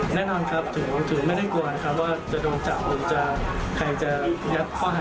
แน่นอนครับถือไม่ได้กลัวนะครับว่าจะโดนจับใครจะยับข้อหาอะไรก็ตามเพราะคือเต็มที่